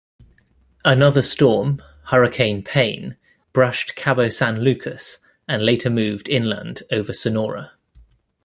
Another storm, Hurricane Paine brushed Cabo San Lucas, and later moved inland over Sonora.